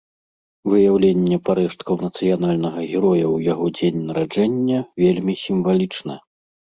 Выяўленне парэшткаў нацыянальнага героя ў яго дзень нараджэння вельмі сімвалічна.